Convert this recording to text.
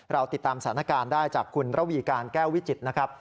เราติดตามสถานการณ์ได้จากคุณระวีการแก้ววิจิตรนะครับ